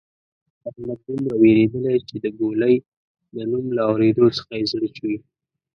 احمد دومره وېرېدلۍ چې د ګولۍ د نوم له اورېدو څخه یې زړه چوي.